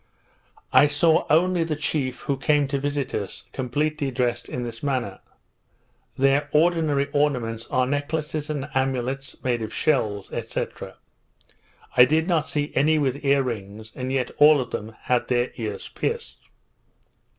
I saw only the chief, who came to visit us, completely dressed in this manner. Their ordinary ornaments are necklaces and amulets made of shells, &c. I did not see any with ear rings; and yet all of them had their ears pierced.